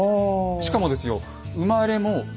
しかもですよ